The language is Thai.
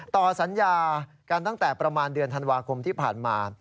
ต่อสัญญากันตั้งแต่ประมาณเดือนธันวาคมที่ผ่านมา